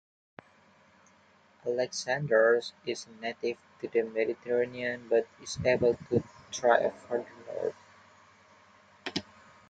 Alexanders is native to the Mediterranean but is able to thrive farther north.